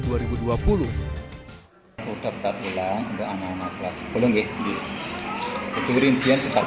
di perjalanan ke sekolah diperlukan anak anak kelas sepuluh